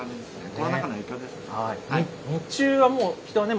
コロナ禍の影響ですね。